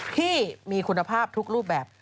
ที่มีคุณภาพทุกรูปแบบ